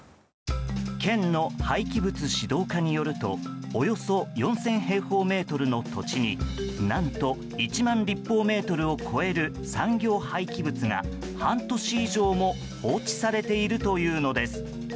県の廃棄物指導課によるとおよそ４０００平方メートルの土地に何と１万立方メートルを超える産業廃棄物が半年以上も放置されているというのです。